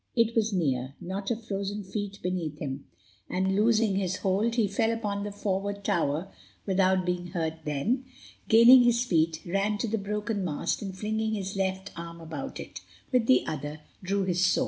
It was near—not a dozen feet beneath him—and loosing his hold he fell upon the forward tower without being hurt then, gaining his feet, ran to the broken mast and flinging his left arm about it, with the other drew his sword.